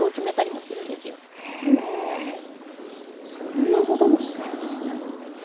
へえそんなごどもしてるんですね。